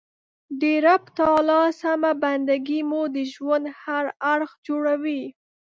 د رب تعالی سمه بنده ګي مو د ژوند هر اړخ جوړوي.